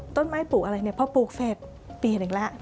ต้นไม้ปลูกอะไรเพราะปลูกเศษปีหนึ่งแล้ว